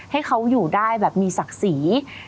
ให้เขาอยู่ได้แบบมีศักดิ์ศรี